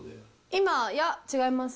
今、いや、違います。